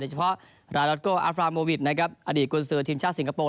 โดยเฉพาะราโดดโกอฟราโมวิทอดีตกุญศือทีมชาติสิงคโปร์